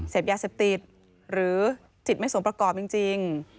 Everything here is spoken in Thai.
เสพยาเสพติดหรือจิตไม่สมประกอบจริง